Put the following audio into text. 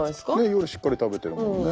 夜しっかり食べてるもんね